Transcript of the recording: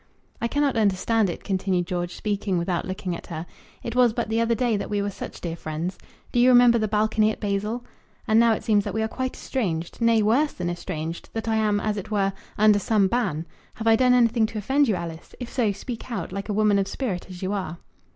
"I cannot understand it," continued George, speaking without looking at her. "It was but the other day that we were such dear friends! Do you remember the balcony at Basle? and now it seems that we are quite estranged; nay, worse than estranged; that I am, as it were, under some ban. Have I done anything to offend you, Alice? If so, speak out, like a woman of spirit as you are."